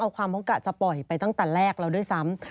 ความเขากะจะปล่อยไปตั้งแต่แรกแล้วด้วยซ้ำ